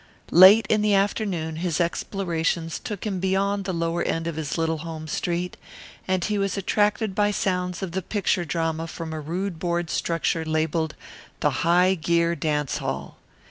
Late in the afternoon his explorations took him beyond the lower end of his little home street, and he was attracted by sounds of the picture drama from a rude board structure labelled the High Gear Dance Hall.